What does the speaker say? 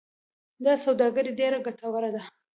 دا سوداګري ډیره ګټوره ده.